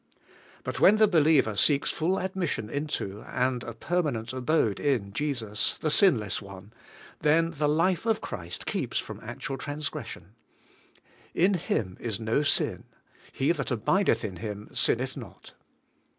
But when the believer seeks full admission into, and a permanent abode in Jesus, the Sinless One, then the life of Christ keeps from actual trans gression. *In Him is no sin. He that abideth in Him sinneth not.'